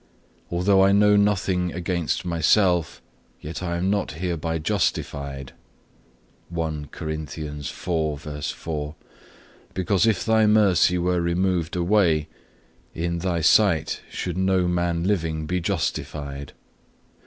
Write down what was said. Although I know nothing against myself, yet I am not hereby justified,(4) because if Thy mercy were removed away, in Thy sight should no man living be justified.